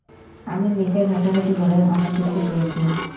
আমি নেটে ঘাঁটাঘাঁটি করে অনেককিছু পেয়েছি।